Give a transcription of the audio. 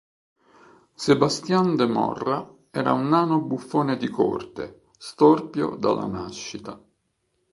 Sebastian de Morra era un nano buffone di corte, storpio dalla nascita.